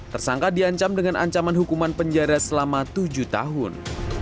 tersangka diancam dengan ancaman hukuman penjara selama tujuh tahun